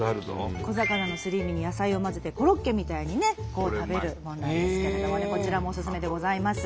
小魚のすり身に野菜を混ぜてコロッケみたいにね食べるもんなんですけれどもねこちらもオススメでございます。